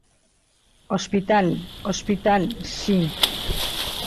Hospital, hospital, si.